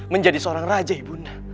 menjadi seorang raja ibu nda